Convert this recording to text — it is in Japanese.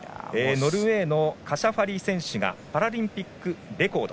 ノルウェーのカシャファリ選手がパラリンピックレコード。